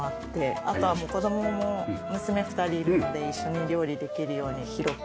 あとは子供も娘２人いるので一緒に料理できるように広く。